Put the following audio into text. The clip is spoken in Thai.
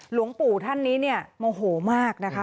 หลวงปู่ท่านนี้เนี่ยโมโหมากนะคะ